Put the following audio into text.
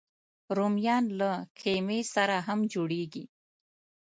رومیان له قیمې سره هم جوړېږي